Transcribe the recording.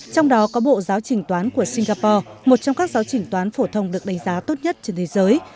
trong đó có bộ giáo trình toán của singapore một trong các giáo trình toán phổ thông được đánh giá tốt nhất trên thế giới